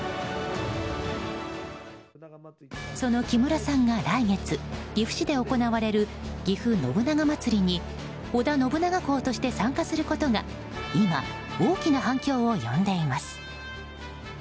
その木村さんが来月岐阜市で行われるぎふ信長まつりに織田信長公として参加することが今、大きな反響を呼んでいます。